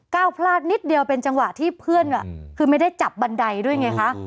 ก้าวพลาดนิดเดียวเป็นจังหวะที่เพื่อนคือไม่ได้จับบันไดด้วยไงคะ